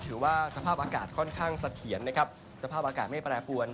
สภาพอากาศค่อนข้างเสถียรนะครับสภาพอากาศไม่แปรปวน